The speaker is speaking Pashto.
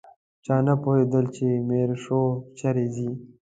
چا نه پوهېدل چې میرشو چیرې ځي.